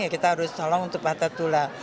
ya kita harus tolong untuk patah tulang